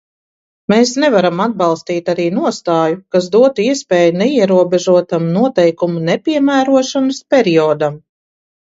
Mēs nevaram atbalstīt arī nostāju, kas dotu iespēju neierobežotam noteikumu nepiemērošanas periodam.